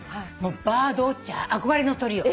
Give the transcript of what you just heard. バードウォッチャー憧れの鳥よ。